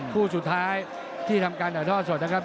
คู่สุดท้ายที่ทำการถ่ายทอดสดนะครับ